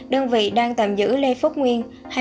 đơn vị đang tạm giữ lê phúc nguyên